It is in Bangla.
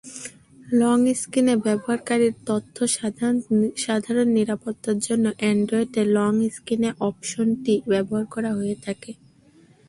লকস্ক্রিনে ব্যবহারকারীর তথ্যসাধারণ নিরাপত্তার জন্য অ্যান্ড্রয়েডে লকস্ক্রিনে অপশনটি ব্যবহার করা হয়ে থাকে।